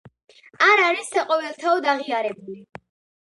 არ არის საყოველთაოდ აღიარებული.